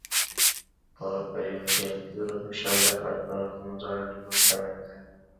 ბოლო პერიოდში აქტიურად მუშაობდა ქართულ ეროვნულ და რელიგიურ თემებზე.